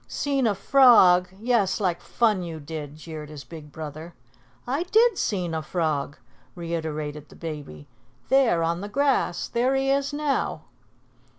"Seen a frog! Yes, like fun you did," jeered his big brother. "I did seen a frog," reiterated the baby. "There, on the grass. There he is now."